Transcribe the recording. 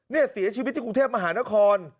นี่เสียชีวิตที่กรุงเทพมหานคร